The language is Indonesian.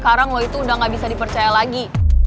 sekarang loh itu udah gak bisa dipercaya lagi